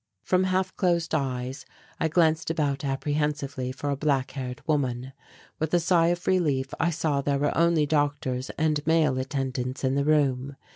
From half closed eyes I glanced about apprehensively for a black haired woman. With a sigh of relief I saw there were only doctors and male attendants in the room.